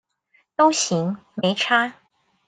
都行，沒差